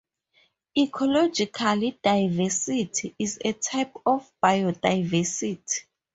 Ecological diversity is a type of biodiversity.